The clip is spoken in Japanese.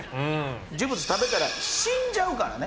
呪物食べたら死んじゃうからね。